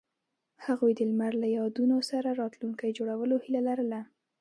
هغوی د لمر له یادونو سره راتلونکی جوړولو هیله لرله.